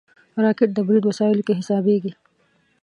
راکټ د برید وسایلو کې حسابېږي